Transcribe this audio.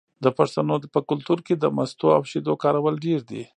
د پښتنو په کلتور کې د مستو او شیدو کارول ډیر دي.